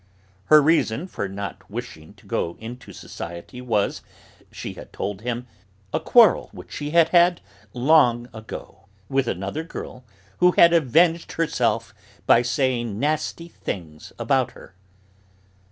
Her reason for not wishing to go into society was, she had told him, a quarrel which she had had, long ago, with another girl, who had avenged herself by saying nasty things about her.